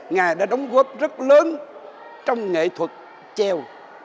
ngài đã đóng góp rất lớn trong nghệ thuật trèo